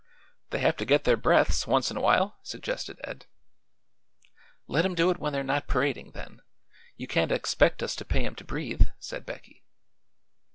"They have to get their breaths, once in awhile," suggested Ed. "Let 'em do it when they're not parading, then. You can't expect us to pay 'em to breathe," said Becky.